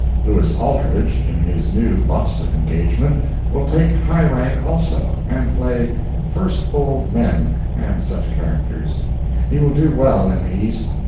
Louis Aldrich, in his new Boston engagement, will take high rank also, and play "first old man" and such characters. He will do well in the East.